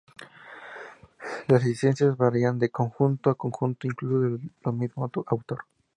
Las licencias varían de conjunto a conjunto, incluso de los del mismo autor.